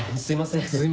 すいません。